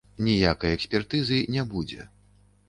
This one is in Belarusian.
Ніякай экспертызы не будзе.